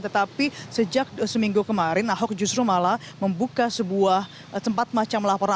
tetapi sejak seminggu kemarin ahok justru malah membuka sebuah tempat macam laporan